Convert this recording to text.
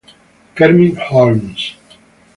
Kermit Holmes